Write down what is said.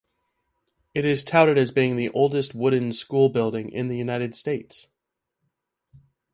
It is touted as being the oldest wooden school building in the United States.